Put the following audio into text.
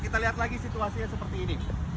kita lihat lagi situasinya seperti ini